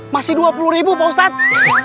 masih dua puluh ribu pak ustadz